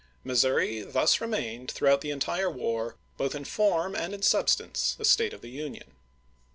Mis souri thus remained through the entire war, both in form and in substance, a State of the Union.